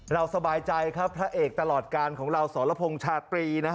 สบายใจครับพระเอกตลอดการของเราสรพงษ์ชาตรี